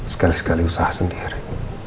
sekali sekali usaha sendiri